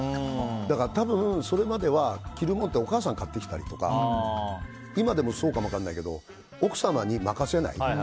だから、多分それまでは着るものってお母さんが買ってきたりとか今でもそうかも分からないけど奥様に任せない。